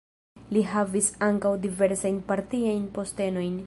Li havis ankaŭ diversajn partiajn postenojn.